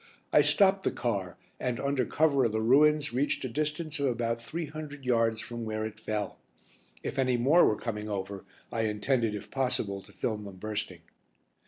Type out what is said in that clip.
I stopped the car and, under cover of the ruins, reached a distance of about three hundred yards from where it fell. If any more were coming over I intended, if possible, to film them bursting.